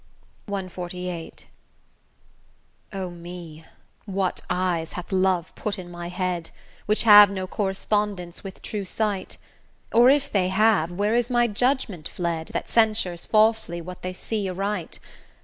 CXLVIII O me! what eyes hath Love put in my head, Which have no correspondence with true sight; Or, if they have, where is my judgment fled, That censures falsely what they see aright?